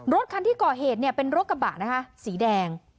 รถขันที่กรเหตุเป็นรถกระบะสีแดง